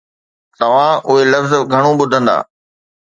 توهان اهي لفظ گهڻو ٻڌندا